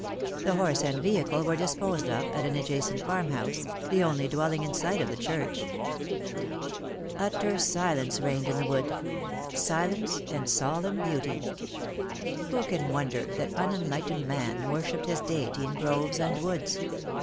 The horse and vehicle were disposed of at an adjacent farmhouse — the only dwelling in sight of the church. Utter silence reigned in the wood — silence and solemn beauty. Who can wonder that unenlightened man worshipped his deity in groves and woods